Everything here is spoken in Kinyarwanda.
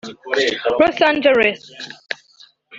Los Angeles